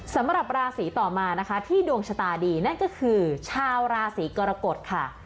สำหรับราศีต่อมานะคะที่ดวงชะตาดีนั่นก็คือชาวราศีกรกฎค่ะ